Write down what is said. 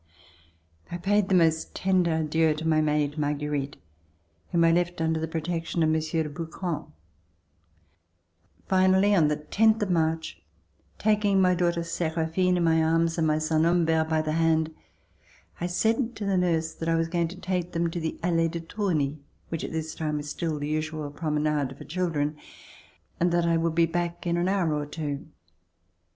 I paid the most tender adieux to my maid. Marguerite, whom I left under the protection of Monsieur de Brouquens. Finally, on the tenth of March, taking my daughter Seraphine in my arms and my son Humbert by the hand, I said to the nurse that I was going to take them to the Alices de Tourny, which at this time was still the usual promenade for children, and that I would be back in an hour or two.